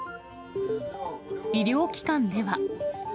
医療機関では。